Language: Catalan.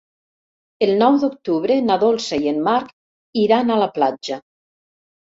El nou d'octubre na Dolça i en Marc iran a la platja.